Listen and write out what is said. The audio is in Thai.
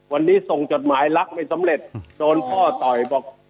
วันนี้ส่งจดหมายรักไม่สำเร็จโดนพ่อต่อยบอก